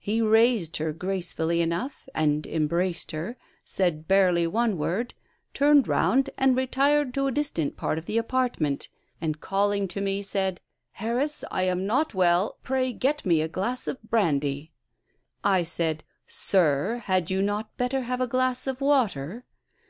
He raised her gracefully enough, and embraced her, said barely one word, turned round and retired to a distant part of the apartment, and calling to me said: 'Harris, I am not well; pray get me a glass of brandy.' I said, 'Sir, had you not better have a glass of water?'